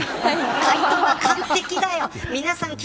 回答が完璧だよ。